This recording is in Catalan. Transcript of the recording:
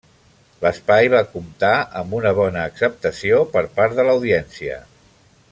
L'espai va comptar amb una bona acceptació per part de l'audiència.